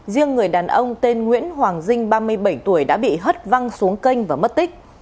riêng người đàn ông tên nguyễn hoàng dinh ba mươi bảy tuổi đã bị hất văng xuống kênh và mất tích